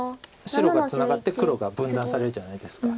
白がツナがって黒が分断されるじゃないですか。